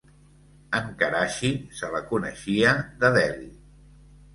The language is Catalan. En Karachi se la coneixia de Delhi.